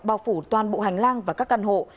bao phủ toàn bộ hành lang và các căn hộ